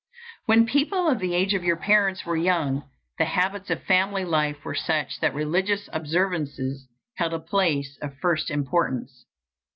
When people of the age of your parents were young, the habits of family life were such that religious observances held a place of first importance.